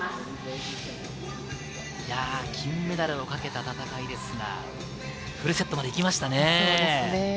金メダルをかけた戦いですが、フルセットまでいきましたね。